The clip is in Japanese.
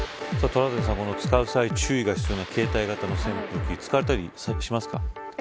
トラウデンさん、使う際注意が必要な携帯型の扇風機使われたりしますか。